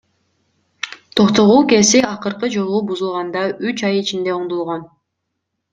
Токтогул ГЭСи акыркы жолу бузулганда үч ай ичинде оңдолгон.